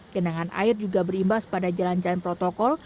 genangan air juga berimbas pada jalan jalan protokol